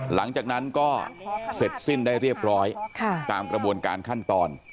หลังจากนั้นก็เสร็จสิ้นได้เรียบร้อยตามกระบวนการขั้นตอน